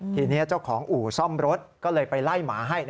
ทีนี้เจ้าของอู่ซ่อมรถก็เลยไปไล่หมาให้